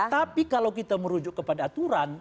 tapi kalau kita merujuk kepada aturan